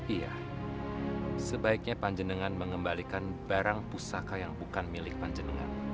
iya sebaiknya panjenengan mengembalikan barang pusaka yang bukan milik panjenengan